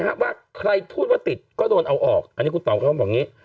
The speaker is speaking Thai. ว่าใครพูดว่าติดก็โดนเอาออกอันนี้คุณต่อเขาก็บอกอย่างนี้